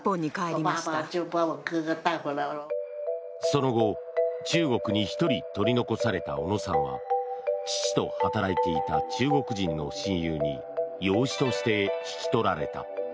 その後、中国に１人取り残された小野さんは父と働いていた中国人の親友に養子として引き取られた。